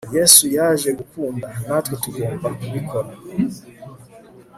yesu yaje gukunda, natwe tugomba kubikora